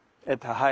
はい。